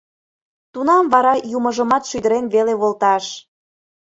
Тунам вара юмыжымат шӱдырен веле волташ...